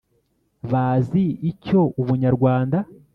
bazi icyo ubunyarwanda